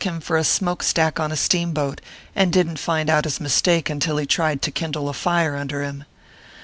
33 him for a smoke stack on a steamboat, and didn t find out his mistake until he tried to kindle a lire under him.